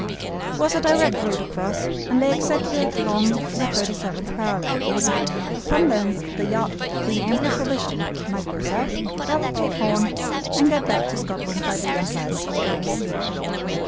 It was a direct route across, and lay exactly along the 37th parallel. From thence the yacht, being amply provisioned, might go south, double Cape Horn, and get back to Scotland by the Atlantic route.